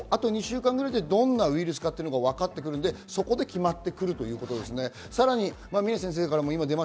あと２週間くらいでどんなウイルスかが分かってくるので、そこで決まってくるということですね。